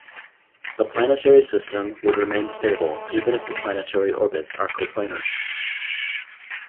The planetary system would remain stable even if the planetary orbits are coplanar.